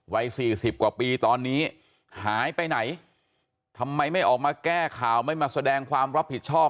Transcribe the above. วัยสี่สิบกว่าปีตอนนี้หายไปไหนทำไมไม่ออกมาแก้ข่าวไม่มาแสดงความรับผิดชอบ